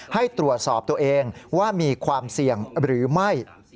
ให้ตรวจสอบตัวเองว่ามีความเสี่ยงหรือไม่